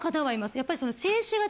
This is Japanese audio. やっぱり。